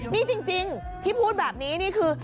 นี่จริงที่พูดแบบนี้นี่คือ